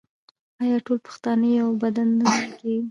آیا ټول پښتانه یو بدن نه ګڼل کیږي؟